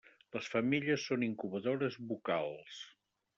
Les femelles són incubadores bucals.